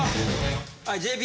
はいＪＰ。